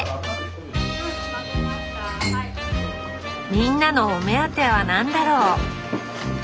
みんなのお目当ては何だろう？